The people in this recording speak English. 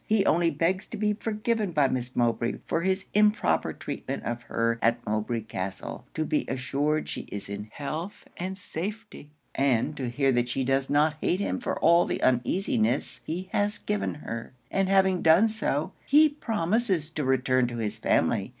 He only begs to be forgiven by Miss Mowbray for his improper treatment of her at Mowbray Castle; to be assured she is in health and safety; and to hear that she does not hate him for all the uneasiness he has given her; and having done so, he promises to return to his family.